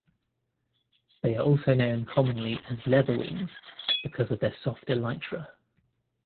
They are also known commonly as leatherwings because of their soft elytra.